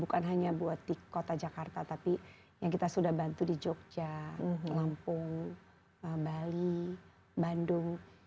bukan hanya buat di kota jakarta tapi yang kita sudah bantu di jogja lampung bali bandung